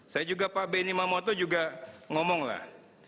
saya juga pak benny mamoto juga ngomong lah